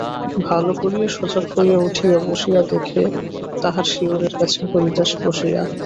ভালো করিয়া সজাগ হইয়া উঠিয়া বসিয়া দেখে তাহার শিয়রের কাছে হরিদাস বসিয়া।